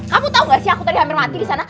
kamu tau nggak sih aku tadi hampir mati disana